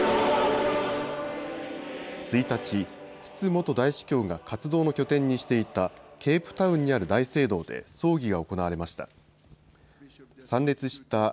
１日、ツツ元大主教が活動の拠点にしていたケープタウンにある大聖堂で葬儀が行われました。